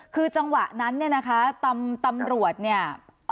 คือจังหวะนั้นเนี่ยนะคะตำรวจเนี่ย